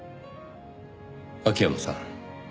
秋山さん